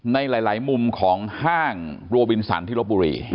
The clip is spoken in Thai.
ในหลายมุมของห้างโรบินสันที่ลบบุรี